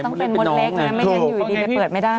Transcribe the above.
ต้องเป็นมดเล็กนะไม่งั้นอยู่ดีไปเปิดไม่ได้